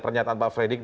pernyataan pak fredyck